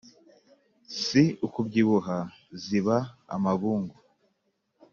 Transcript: si ukubyibuha ziba amabungu.